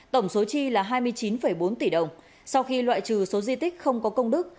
tổng số chi là hai mươi chín bốn tỷ đồng sau khi loại trừ số di tích không có công đức